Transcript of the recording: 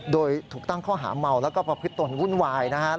โดยถูกตั้งข้อหาเมาแล้วก็ประพฤติตนวุ่นวายนะครับ